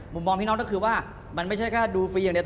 มองพี่น้องก็คือว่ามันไม่ใช่แค่ดูฟรีอย่างเดียว